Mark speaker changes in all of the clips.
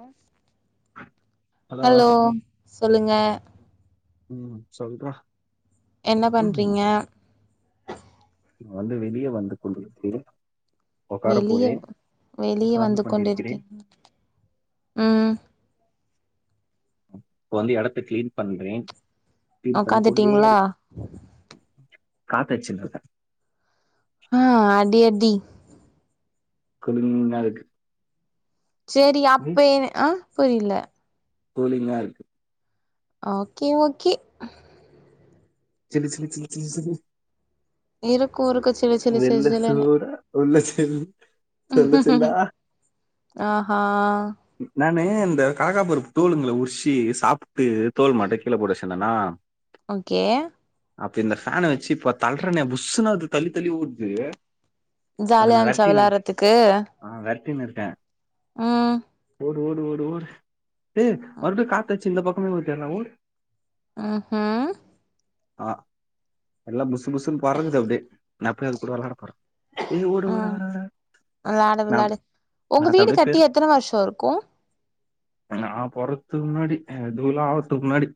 Speaker 1: அ hello சொல்லுங்க
Speaker 2: ம் சொல்ட்றா
Speaker 1: என்ன பண்றீங்க
Speaker 2: இதுங் வந்து வெளிய வந்து கொண்டிருக்குது
Speaker 1: வெளிய வெளிய
Speaker 2: உட்கார்ந்து
Speaker 1: வந்து
Speaker 2: கொண்டிருக்கிறேன்
Speaker 1: கொண்டிருக்கிங் ம்
Speaker 2: இப்ப வந்து எடத்த க்ளீன் பண்றே க்ளீன் பண்ணிக்கொண்டே
Speaker 1: உக்காந்துட்டீங்களா
Speaker 2: இருப் காத்தடிச்சுன்ட்ருக்க
Speaker 1: ஆ அடி அடி
Speaker 2: குளும்யாருக்கு
Speaker 1: சேரி அப்பயே அ புரியில
Speaker 2: கூலிங்கா இருக்கு
Speaker 1: ஓகே ஓகே
Speaker 2: சிலு சிலு சிலு சிலு சிலு
Speaker 1: இருக்கும் இருக்கும் சிலு சிலு
Speaker 2: ம்
Speaker 1: சிலு சிலுன்னு
Speaker 2: [unintelligible] உள்ள சில் சில்லு சில்லா
Speaker 1: ஆ ஆ
Speaker 2: நானு இந்த கல்லகா பருப்பு தோலுங்கள உரிச்சி சாப்ட்டு தோல் மாட்ட கீழ போட்டு வெச்சிர்ந்தனா
Speaker 1: ஓகே
Speaker 2: அப்ப இந்த ஃபேன வெச்சு இப்ப தள்றனே புஸ்சுனு அது தள்ளித்தள்ளி ஓடுது அதை
Speaker 1: ஜாலியா
Speaker 2: நான்
Speaker 1: இருச்சா
Speaker 2: விரட்டின்னு
Speaker 1: வெளாட்றத்துக்கு
Speaker 2: ஆ வெரட்டினு இருக்கே
Speaker 1: ம்
Speaker 2: ஓடு ஓடு ஓடு ஓடு மறுபடியு காத்தடிச்சு இந்த பக்கமே வந்தேர்றா ஓடு
Speaker 1: ம்ஹும்
Speaker 2: ஆ எல்லா புஸ்சு புஸ்சுன் பறக்குது அப்டியே நா போய் அது கூட வெளாட போற இது ஓடு ஓடு
Speaker 1: ம்
Speaker 2: ஓடட
Speaker 1: விளாடு
Speaker 2: நா
Speaker 1: விளாடு
Speaker 2: நா
Speaker 1: உங்க வீடு
Speaker 2: அப்டியே
Speaker 1: கட்டி
Speaker 2: பேரு
Speaker 1: எத்தன வருஷ இருக்கு
Speaker 2: நா பொறக்த்து முன்னாடி இதுவுலா ஆவத்து முன்னாடி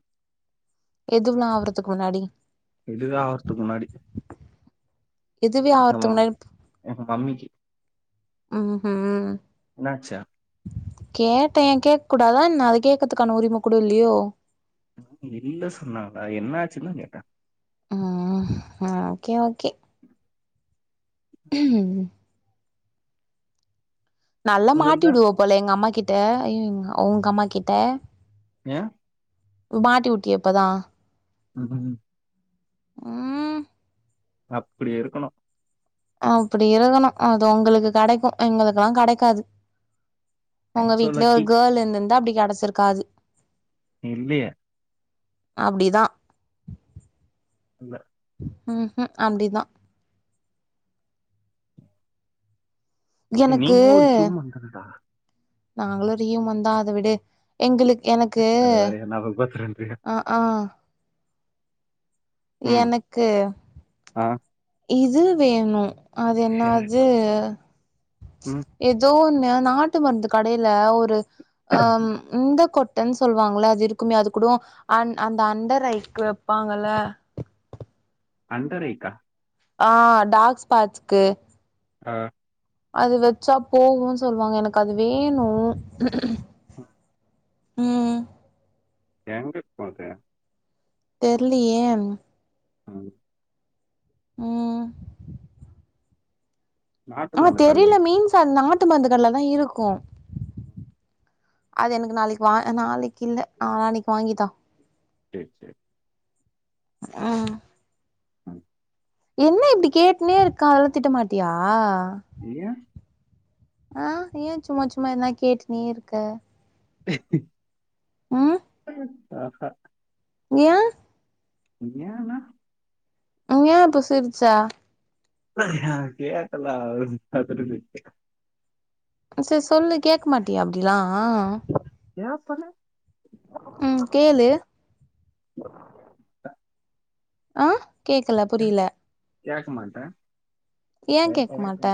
Speaker 1: எதுவ்லா ஆவுறத்துக்கு முன்னாடி
Speaker 2: இதுதா ஆவறத்துக்கு முன்னாடி
Speaker 1: எதுவே ஆவறதுக்கு
Speaker 2: [unintelligible]
Speaker 1: முன்னாடி
Speaker 2: எங்க மம்மிக்கி
Speaker 1: ம்ஹீம்
Speaker 2: என்னாச்சா
Speaker 1: கேட்டே கேக்க கூடாதா என்ன அத கேக்கத்துக்கான உரிம கூட இல்லியோ
Speaker 2: இல்ல சொன்னாங்களா என்னாச்சுந்தா கேட்ட
Speaker 1: ம் ம் ஓகே ஓகே ம் நல்லா மாட்டி
Speaker 2: உங்கள்த
Speaker 1: விடுவ போல எங்கம்மா கிட்ட ஐய்யோ உங்க அம்மா கிட்ட
Speaker 2: ஏ
Speaker 1: மாட்டி வுட்டியே இப்பதா
Speaker 2: [unintelligible]
Speaker 1: ம்
Speaker 2: அப்பிடி இருக்குணு
Speaker 1: அப்பிடி இருக்கணு அது உங்குளுக்கு கெடைக்கு எங்களுக்கெல்லா கெடைக்காது உங்க
Speaker 2: ஐயம் சோ
Speaker 1: வீட்லே ஒரு
Speaker 2: லக்கி
Speaker 1: கேள் இருந்துருந்தா அப்பிடி கெடச்சுருக்காது
Speaker 2: இல்லியே
Speaker 1: அப்டிதா
Speaker 2: இல்ல
Speaker 1: ம்ஹும் அப்டிதா எனக்கு
Speaker 2: நீங்களு ஒரு ஹியூமன் தானடா
Speaker 1: நாங்களு ஒரு ஹியூமன்தா அதவிடு எங்களுக் எனக்கு
Speaker 2: அது வேறயா ஞாபகப்படுத்துற நீ
Speaker 1: அ ஆ
Speaker 2: ம்
Speaker 1: எனக்கு
Speaker 2: ஆ
Speaker 1: இது வேனு அது என்னாது
Speaker 2: ம்
Speaker 1: ஏதோ ஒன்னு நாட்டு மருந்து கடையில ஒரு ம் இந்த கொட் மனு சொல்லுவாங்கள அது இருக்குமே அது கூட ஆ அந்த அண்டர் ஐக்கு வைப்பாங்கல்ல
Speaker 2: அண்டர் ஐக்கா
Speaker 1: ஆ டார்க் ஸ்பேச்சுக்கு
Speaker 2: ஆ
Speaker 1: அது வெச்சா போகுன்னு சொல்லுவாங்க எனக்கு அது வேணு
Speaker 2: ம்
Speaker 1: ம்
Speaker 2: எங்க இருக்கு அது
Speaker 1: தெரிலியே
Speaker 2: ம்
Speaker 1: ம்
Speaker 2: நாட்டு
Speaker 1: ஆ
Speaker 2: மண்ணு கல்லு
Speaker 1: தெரிய்ல மீன்ஸ் அந்த நாட்டு மந்துகள்ல தா இருக்கூ அது எனக் நாளைக் வா நாளைக்கு இல்ல நாளன்னைக் வாங்கித்தா
Speaker 2: சேர் சேர்
Speaker 1: ம்
Speaker 2: ம்
Speaker 1: என்ன இப்டி கேட்டுனேருக்கா அதெல்லா திட்டமாட்டியா
Speaker 2: ஏ
Speaker 1: அ ஏ சும்மா சும்மா எதனா கேட்டுனே இருக்க ம்
Speaker 2: ஆஹா
Speaker 1: ஏ
Speaker 2: ஏன்னா
Speaker 1: ஏ இப்ப சிரிச்ச
Speaker 2: ஏ கேட்டல்ல அத [unintelligible]
Speaker 1: சேர் சொல்லு கேக்க மாட்டியா அப்படில்லா
Speaker 2: ஏ சொன்ன
Speaker 1: ம் கேளு
Speaker 2: ஆ
Speaker 1: ஆ கேக்கள புரியல
Speaker 2: கேக்கமாட்டே
Speaker 1: ஏ கேக்கமாட்டே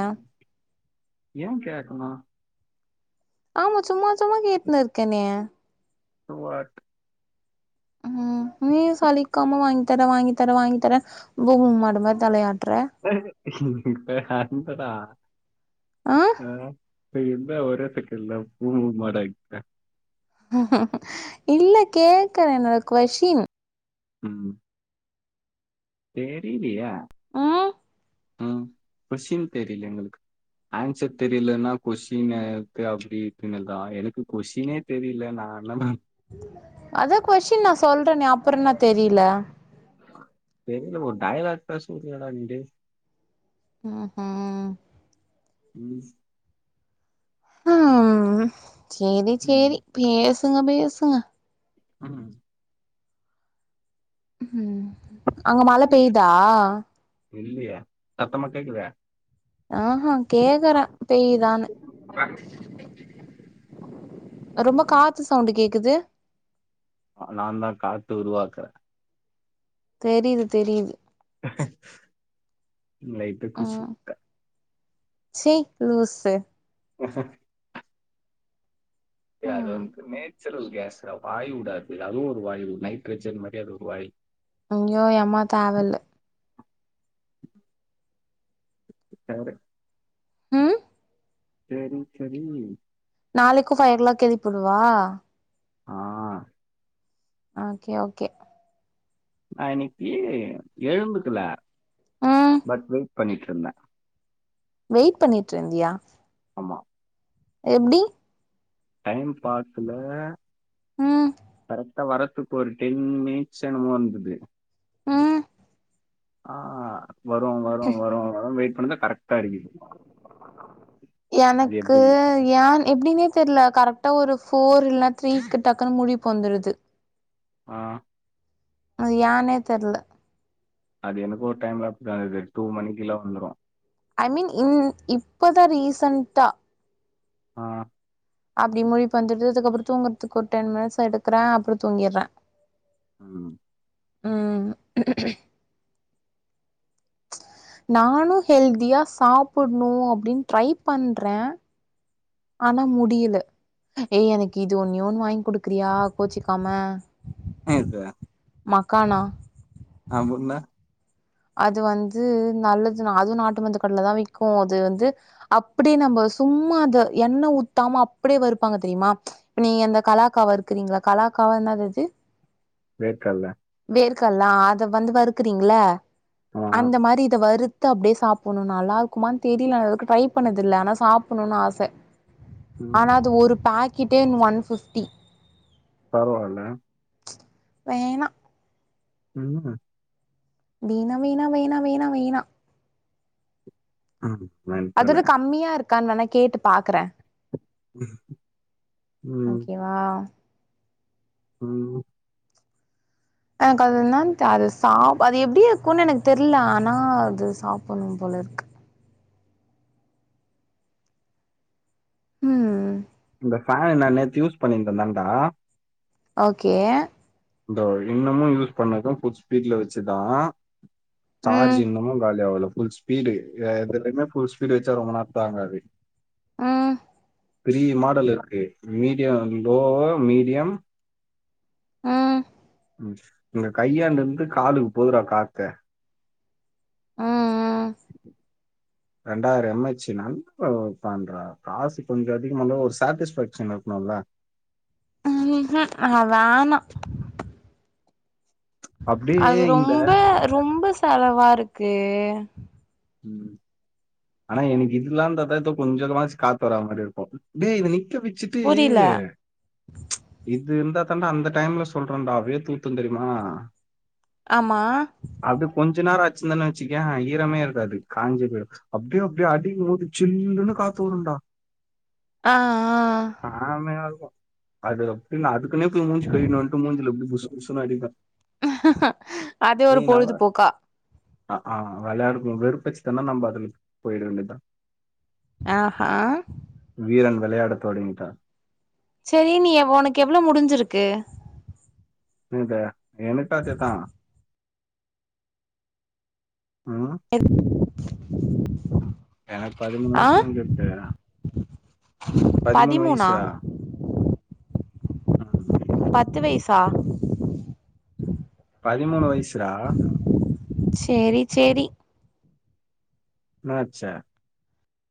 Speaker 2: ஏ கேக்குனு
Speaker 1: ஆம்மா சும்மா சும்மா கேட்னுர்க்கேனே
Speaker 2: [unintelligible]
Speaker 1: ம் நீயூ சலிக்காம வாங்கித்தர வாங்கித்தர வாங்கித்தர பூம்மூ மாடுமாரி தலையாட்டுற
Speaker 2: அந்ரா
Speaker 1: ஆ
Speaker 2: அ ஏ என்ன ஒரே சக்கென்ல பூமுல் மாடாக்கிட்ட
Speaker 1: இல்ல கேக்குற என்னோட கொஷ்ஷின்
Speaker 2: ம் தெரியிலியே
Speaker 1: ம்
Speaker 2: ம் கொஷ்சின் தெரியில எங்கள்க்கு ஆன்சர் தெரியிலன்னா கொஸ்டின க்கு அப்டி இப்டீ எழ்தலா எனக்கு கொஸ்ஸினே தெரியில நா என்னான்னா
Speaker 1: அத கொஸ்ஷின் நா சொல்றனே அப்பற என்ன தெரியில்ல
Speaker 2: தெரியில ஒ டயலாக் தா [unintelligible]
Speaker 1: ம் ம்
Speaker 2: ம்
Speaker 1: அமா செரி செரி
Speaker 2: ம்
Speaker 1: பேசுங்க பேசுங்க
Speaker 2: ம்ஹி
Speaker 1: ம் அங்க மழ பெயுதா
Speaker 2: இல்லியெ சத்தமா கேக்குது
Speaker 1: அஹ கேக்குற பெய்யுதான்னு
Speaker 2: ஆ
Speaker 1: ரொம்ப காத்து சவுண்டு் கேக்குது
Speaker 2: நான் தா காத்து உருவாக்குறே
Speaker 1: தெரியுது தெரியுது
Speaker 2: லைட்டா குசு உட்டே
Speaker 1: ச்சை லூசு
Speaker 2: சத் ஏ அது
Speaker 1: ம்
Speaker 2: வந்து நேச்சுரல் கேஸ்ரா வாயுடா அது அதுவு ஒரு வாயுவு நைட்ரஜன் மாறி அது ஒரு வாயி
Speaker 1: ஐய்யோ எம்மா தேவல்ல
Speaker 2: யாரு
Speaker 1: ம்
Speaker 2: சேரி சரி
Speaker 1: நாளைக்கு ஃபைவ் ஓ கிளாக் எழுப்புடவா
Speaker 2: ஆ
Speaker 1: ஓக்கே ஓக்கே
Speaker 2: நா இன்னைக்கி எழுந்துக்குல
Speaker 1: ம்
Speaker 2: பட் வெயிட் பண்ணிட்டு இருந்த
Speaker 1: வெயிட் பண்ணிட்டு இருந்தியா
Speaker 2: ஆமா
Speaker 1: எப்டி
Speaker 2: டைம் பாசுல
Speaker 1: ம்
Speaker 2: கரெக் வரத்துக்கு ஒரு டென் மினிட்ஸ் என்னமோ இருந்தது
Speaker 1: ம்
Speaker 2: ஆ வரும் வரும் வரும் வருன்னு வெயிட் பண்ணிட்டு இருந்தே கரெக்டா அடிக்குது அது
Speaker 1: எனக்கு
Speaker 2: எப்படின்னு
Speaker 1: ஏன் எப்டின்னே தெர்ல கரெக்டா ஒரு ஃபோர் இல்லனா த்ரீக்கு டக்குன்னு முழிப்பு வந்துடுது
Speaker 2: ஆ
Speaker 1: அது ஏயான்னே தெர்ல
Speaker 2: அது எனக்கும் ஒரு டைம் அப்பிடி தா ஆகுது டூ மணி எல்லா வந்துரும்
Speaker 1: ஐ மீன் இன் இப்பதா ரீசன்டா
Speaker 2: ஆ
Speaker 1: அப்படி முழிப்பு வந்துடுது அதுக்கப்புறோ தூங்கறதுக்கு ஒரு டென் மினிட்ஸ் எடுக்கறே அப்புறோ தூங்கிட்றே
Speaker 2: உம்
Speaker 1: உம் நானும் ஹெல்தியா சாப்புட்ணு அப்டின்னு ட்ரை பண்றே ஆனா முடியல ஏய் எனக்கு இது ஒன்னே ஒன்னு வாங்கி குடுக்குறியா கோச்சிக்காம
Speaker 2: என்ன இது
Speaker 1: மக்கானா
Speaker 2: அப்புட்ன்னா
Speaker 1: அது வந்து நல்லது அதுவு நாட்டு மந்துக்கடயில தா விக்கும் அது வந்து அப்பிடியே நம்ம சும்மா அத எண்ணெ ஊத்தாம அப்டியே வறுப்பாங்க தெரியுமா நீ அந்த கலாக்கா வறுக்கறீங்க இல்ல கலாக்காவா என்னது அது
Speaker 2: வேர்க்கல்ல
Speaker 1: வேர்க்கல்ல ஆ அத வந்து வறுக்குறீங்கில்ல
Speaker 2: ஆ
Speaker 1: அந்த மாறி இத வறுத் து அப்டியே சாப்புட்ணு நல்லா இருக்குமான்னு தெரில இதுக்கும் ட்ரை பண்ணது இல்ல ஆனா சாப்புட்ணும்னு ஆச
Speaker 2: ம்
Speaker 1: ஆனா அது ஒரு பாக்கெட்டே ஒன் ஃபிப்டி
Speaker 2: பரவால்ல
Speaker 1: வேணா
Speaker 2: ம்
Speaker 1: வேணா வேணா வேணா வேணா வேணா
Speaker 2: ம் வே
Speaker 1: அதுல கம்மியா இருக்கான்னு வேணா கேட்டு பாக்குறே
Speaker 2: ம்
Speaker 1: வா
Speaker 2: ம்
Speaker 1: எனக்கு அது என்னான் அது சாப் அது எப்டி இருக்குன்னு எனக்கு தெர்ல ஆனா அது சாப்புட்ணு போல இருக்கு ம்
Speaker 2: இந்த ஃபேன் நா நேத்து யூஸ் பண்ணியிருந்தேந்தான்டா
Speaker 1: ஓகே
Speaker 2: இந்த இன்னமு யூஸ் பண்ணது புல் ஸ்பீட்ல வச்சுதா சார்ஜ்
Speaker 1: ம்
Speaker 2: இன்னமு காலி ஆவல புல் ஸ்பீடு எதுலுமே புல் ஸ்பீடு வச்சா ரொம்ப நேரோ தாங்காது
Speaker 1: ம்
Speaker 2: த்ரீ மாடல் இருக்கு மீடியம் லோ மீடியம்
Speaker 1: ம்
Speaker 2: இங்க கையாண்டு இருந்து காலுக்கு போதுரா காத்து
Speaker 1: ம்
Speaker 2: ரெண்டாயிரோ எம் ஹச்சி நல்லதுதான்றா காசு கொஞ்சோ அதிகம இருந்தாலு ஒரு சாட்டிஸ் [unintelligible] குணுல்லா
Speaker 1: நா வேணா
Speaker 2: அப்படியே
Speaker 1: அது
Speaker 2: இந்த
Speaker 1: ரொம்ப ரொம்ப செலவா இருக்கு
Speaker 2: ம் ஆனா எனக்கு இதுல்லா இருந்தாத கொஞ்சோமாச்சு காத்து வர மாரி இருக்கு டே நிக்க வ ச்சிட்டு
Speaker 1: புரில
Speaker 2: இது இருந்தா தண்டா அந்த டைம்ல சொல்றேன்டா வேர்தூத்து தெரிமா
Speaker 1: ஆமா
Speaker 2: அப்டியே கொஞ்ச நேரோ வச்சிருந்தேனு வச்சிக்கேயே ஈரமே இரு க்காது காஞ்சி பொய்டு அப்டியே அப்டியே அடிக்கும்போது சில்லுன்னு காத்து வருண்டா
Speaker 1: அ அ
Speaker 2: ஆமையா இருக்கு அது அப்டினு அதுக்குனே போய் மூஞ்சு கழுவிணுவன்ட்டு மூஞ்சுல அப்டியே புசுபுசு அடிப்பே
Speaker 1: அதே ஒரு பொழுதுபோக்கா
Speaker 2: அ அ வெளயாடுவோ வெறுப்பாச்சு அடுச்சுதுனா நம்ம அதுல பொயிட வேண்டயதுதா
Speaker 1: அ ஹா
Speaker 2: வீரன் வெளயாடத் தொடங்கிட்டா
Speaker 1: சேரி நீ ஒனக்கு எவ்ளோ முடிஞ்சிருக்கு
Speaker 2: என்னாது எனக்கு அதேதா ம்
Speaker 1: எது
Speaker 2: எனக்கு பதிமூணு வயசு முடிஞ்சிருக்கு பதிமூணு வயசு
Speaker 1: பதிமூணா
Speaker 2: ம்
Speaker 1: பத்து வயசா
Speaker 2: பதிமூணு வயசுரா
Speaker 1: சேரி சேரி
Speaker 2: என்னாச்சு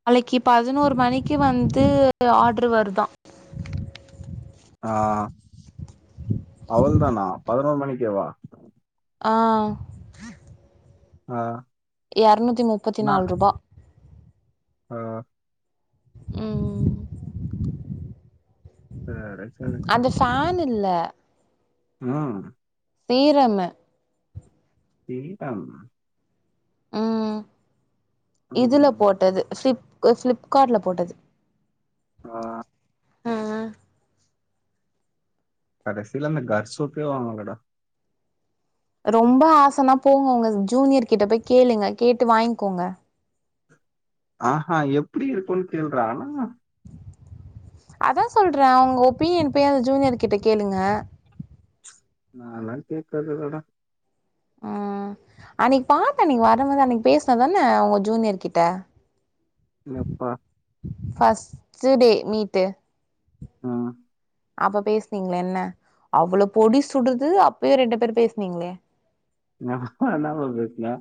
Speaker 1: நாளைக்கு பதினோரு மணிக்கு வந்து ஆர்ட்ரு வருதா
Speaker 2: ஆ அவ்ளதானா பதினொரு மணிக்கேவா
Speaker 1: ஆ
Speaker 2: ஆ
Speaker 1: இரநூத்தி முப்பத்தி
Speaker 2: நா
Speaker 1: நாலு ரூபா
Speaker 2: ஆ
Speaker 1: ம்
Speaker 2: சரி சரி
Speaker 1: அந்த ஃபேன் இல்ல
Speaker 2: ம்
Speaker 1: சீரம்மு
Speaker 2: சீரம்
Speaker 1: ம் இதுல
Speaker 2: ம்
Speaker 1: போட்டது ஃப்லிப் ஃப்லிப்கார்ட்ல போட்டது
Speaker 2: ஆ கடைசில அந்த கர் சோப்பே வாங்கலடா
Speaker 1: ரொம்ப ஆசைனா போங்க உங்க ஜூனியர் கிட்ட போய் கேளுங்க கேட்டு வாங்கிக்கோங்க
Speaker 2: ஆஹா எப்படி இருக்குன்னு கேள்றா
Speaker 1: அதா சொல்றே அவுங்க ஒப்பீனியன் போய் அந்த ஜூனியர் கிட்ட கேளுங்க
Speaker 2: நாலா கேக்குறது இல்லடா
Speaker 1: ம்
Speaker 2: [inaudible]
Speaker 1: அன்னைக்கு பாத்தன் நீங்க வரும்போது அன்னைக்கு பேசுன தானே உங்க ஜூனியர் கிட்ட
Speaker 2: எப்ப
Speaker 1: ஃபஸ்டு டே மீட்டு
Speaker 2: ம்
Speaker 1: அப்ப பேசுனீங்கள என்ன அவ்வளோ பொடி சுடுது அப்பயு ரெண்டு பேர் பேசுனீங்களே
Speaker 2: நா என்னப்பா பேசுனே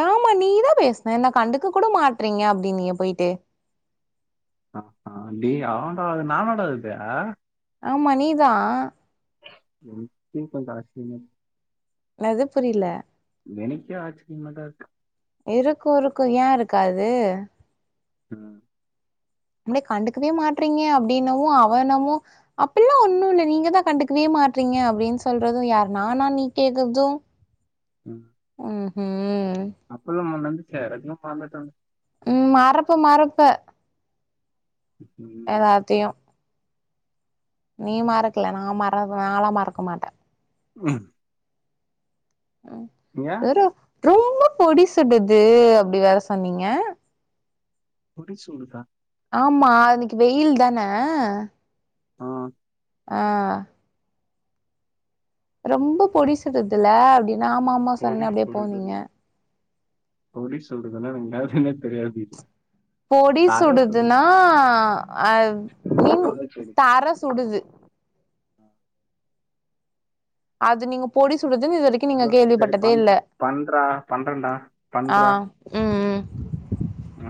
Speaker 1: ஆமா நீதா பேசுன என்ன கண்டுக்கு கூட மாட்டுறீங்க அப்படின்னியே போயிட்டு
Speaker 2: ஆமா டி அவன்டா அது நான்தாடா அது
Speaker 1: ஆமா நீதா
Speaker 2: [unintelligible]
Speaker 1: என்னது புரியல
Speaker 2: எனக்கே ஆச்சரியமா தா இருக்கு
Speaker 1: இருக்கு இருக்கு ஏன் இருக்காது
Speaker 2: அ
Speaker 1: என்ன கண்டுக்கவே மாட்றீங்க அப்டின்னவு அவன் என்னவோ அப்பில்லா ஒன்னு இல்ல நீங்கதா கண்டுக்கவே மாட்றீங்க அப்டின்னு சொல்றது யார் நானா நீ கேக்குறது
Speaker 2: ம்
Speaker 1: ம்ஹு
Speaker 2: அப்பிலாமா ஒன்னு நடந்துச்சு எல்லாத்தையு மறந்துட்டே
Speaker 1: ம் மறப்ப மறப்ப
Speaker 2: ம் ம்
Speaker 1: பாத்தையு நீ மறக்கல நான் மற நாலா மறக்க மாட்டே
Speaker 2: ம்
Speaker 1: அ
Speaker 2: நீய
Speaker 1: வுரு ரொம்ப பொடி சுடுது அப்டி வேற சொன்னீங்க
Speaker 2: பொடி சுடுதா
Speaker 1: ஆமா ஆ அன்னிக்கி வெயில் தான
Speaker 2: ஆ
Speaker 1: ஆ ரொம்ப பொடி சுடுதுல அப்டின்னா ஆமா ஆமா
Speaker 2: பொடி
Speaker 1: சொன்னனே அப்ட்யே போனீங்க
Speaker 2: சுடுதல்ல பொடி சொல்றதுன்னா கேல்ஃபுன்னே தெரியாது இது
Speaker 1: பொடி
Speaker 2: தர
Speaker 1: சுடுதுன்னா
Speaker 2: சுடுது
Speaker 1: அ மீன்
Speaker 2: சரி சரி
Speaker 1: தர சுடுது அது நீங்க பொடி சுடுதுணு இதுவரிக்
Speaker 2: எனோ செரி பண் பண்றா பண்றன்டா பண்றா
Speaker 1: ம்ம்
Speaker 2: ஆ